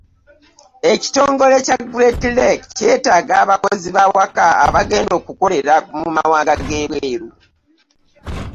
Ekitongole kya Great Lake kyetaaga abakozi bawaka abagenda okukolera mu mawanga g'ebweru.